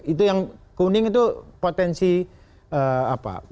itu yang kuning itu potensi apa